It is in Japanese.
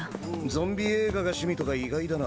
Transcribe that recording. ゾンビ映画が趣味とか意外だな。